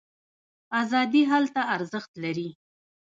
ازادي هلته ارزښت لري.